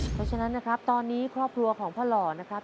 เพราะฉะนั้นนะครับตอนนี้ครอบครัวของพ่อหล่อนะครับ